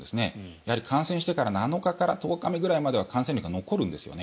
やはり感染してから７日から１０日目ぐらいまでは感染力が残るんですよね。